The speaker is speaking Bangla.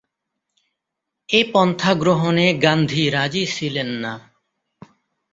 এ পন্থা গ্রহণে গান্ধী রাজি ছিলেন না।